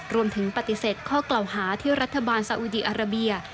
รวมถึงปฏิเสธข้อกล่าวหาที่รัฐบาลสาอุดีอาราเบีย